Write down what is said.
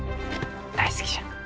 大好きじゃ。